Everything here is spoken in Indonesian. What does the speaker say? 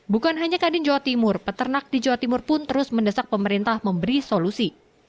bukan hanya kadin jawa timur peternak di jawa timur pun terus mendesak pemerintah memberi solusi